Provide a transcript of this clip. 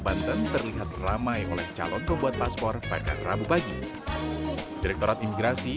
banten terlihat ramai oleh calon pembuat paspor pada rabu pagi direkturat imigrasi